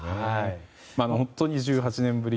本当に１８年ぶり。